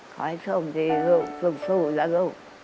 ขอให้โชคดีลูกสู้นะลูก